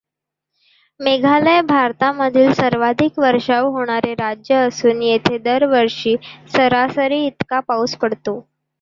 मेघालय भारतामधील सर्वाधिक वर्षाव होणारे राज्य असून येथे दरवर्षी सरासरी इतका पाऊस पडतो.